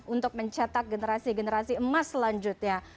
untuk mencetak generasi generasi emas selanjutnya